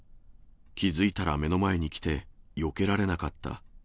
気付いたら目の前に来て、よけられなかった。